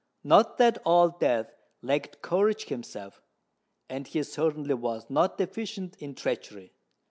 Not that Old Death lacked courage himself: and he certainly was not deficient in treachery.